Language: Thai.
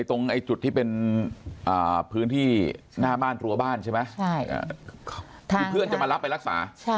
ที่เพื่อนจะมารับไปรักษา